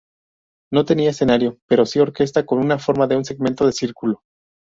No tenía escenario pero si orquesta con una forma de un segmento de círculo.